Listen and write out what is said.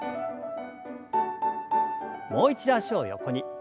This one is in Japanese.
もう一度脚を横に。